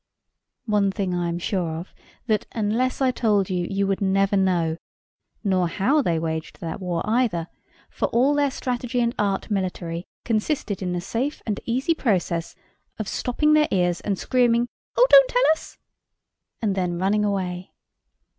One thing I am sure of. That unless I told you, you would never know; nor how they waged that war either; for all their strategy and art military consisted in the safe and easy process of stopping their ears and screaming, "Oh, don't tell us!" and then running away.